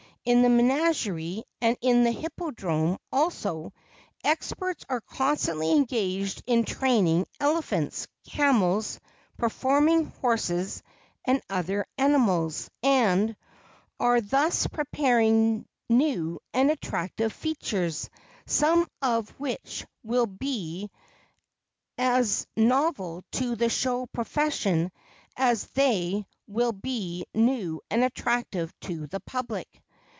In the menagerie, and the hippodrome also, experts are constantly engaged in training elephants, camels, performing horses, and other animals, and are thus preparing new and attractive features, some of which will be as novel to the show profession as they will be new and attractive to the public.